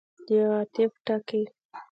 د عطف ټکی.